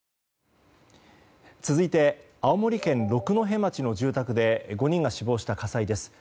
続いて青森県六戸町の住宅で５人が死亡した火災です。